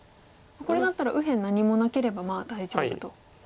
これだったら右辺何もなければ大丈夫と。